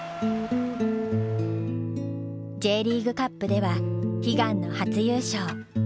Ｊリーグカップでは悲願の初優勝。